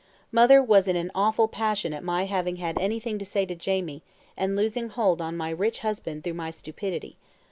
Mother was in an awful passion at my having had anything to say to Jamie, and losing hold on my rich husband through my stupidity.